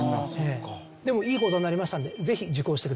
でもいい講座になりましたのでぜひ受講してください。